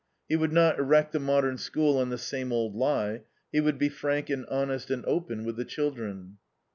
He would not erect the Modern School on the same old lie. He would be frank and honest and open with the children.